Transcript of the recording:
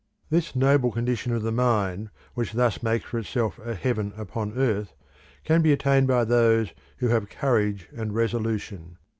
This noble condition of the mind which thus makes for itself a heaven upon earth can be attained by those who have courage and resolution.